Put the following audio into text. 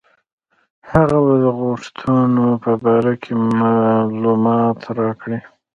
هغه به د غوښتنو په باره کې معلومات راکړي.